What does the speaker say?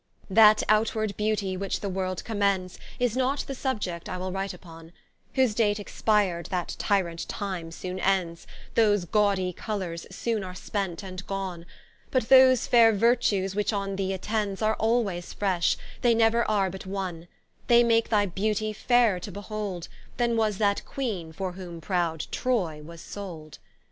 That outward Beautie which the world commends, Is not the subject I will write vpon, Whose date expir'd, that tyrant Time soone ends, Those gawdie colours soone are spent and gone: But those faire Virtues which on thee attends Are alwaies fresh, they never are but one: They make thy Beautie fairer to behold, Than was that Queene for whom proud Troy was sold.